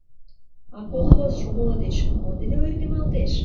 — А колхозшо моло деч мо дене ойыртемалтеш?